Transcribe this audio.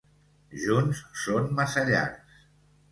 Junts són massa llargs.